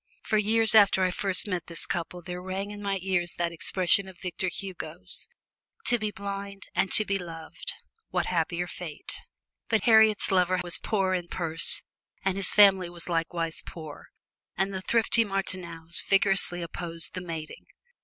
For weeks after I first met this couple there rang in my ears that expression of Victor Hugo's, "To be blind and to be loved what happier fate!" But Harriet's lover was poor in purse and his family was likewise poor, and the thrifty Martineaus vigorously opposed the mating.